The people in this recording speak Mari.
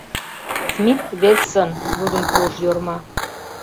— Смит-Вессон... — лудын пуыш Йорма.